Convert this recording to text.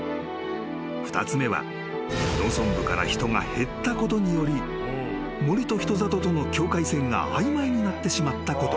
［２つ目は農村部から人が減ったことにより森と人里との境界線が曖昧になってしまったこと］